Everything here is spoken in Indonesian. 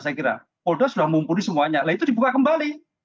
saya kira polda sudah mumpuni semuanya lah itu dibuka kembali